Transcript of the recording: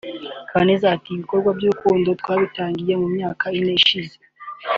Kaneza ati “Ibikorwa by’urukundo twabitangiye mu myaka ine ishize